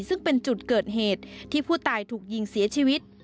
ซึ่งเป็นจุดเกิดเหตุที่ผู้ตายถูกยิงเสียชีวิต